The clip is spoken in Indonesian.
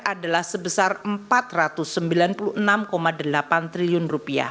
adalah sebesar rp empat ratus sembilan puluh enam delapan triliun